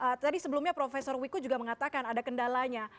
tapi nyatanya tadi sebelumnya prof wikuh juga mengatakan ada kendalanya